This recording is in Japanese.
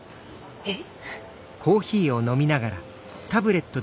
えっ？